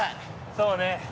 そうね。